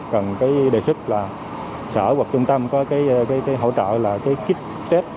cần cái đề sức là sở hoặc trung tâm có cái hỗ trợ là cái kích test